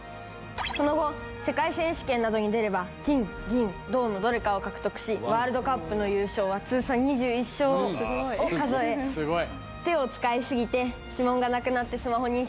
その後世界選手権などに出れば金銀銅のどれかを獲得しワールドカップの優勝は通算２１勝を数え手を使い過ぎて。